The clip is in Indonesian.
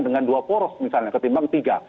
dengan dua poros misalnya ketimbang tiga